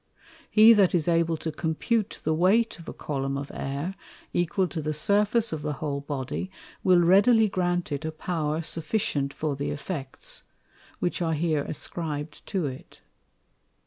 He that is able to compute the weight of a Column of Air, equal to the Surface of the whole Body, will readily grant it a power sufficient for the Effects, which are here ascrib'd to it.